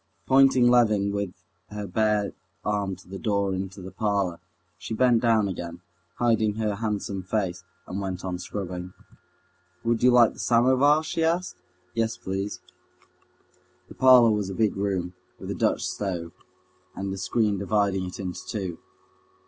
Pointing Levin with her bare arm to the door into the parlor, she bent down again, hiding her handsome face, and went on scrubbing. "Would you like the samovar?" she asked. "Yes, please." The parlor was a big room, with a Dutch stove, and a screen dividing it into two.